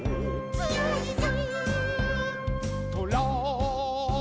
「つよいぞ」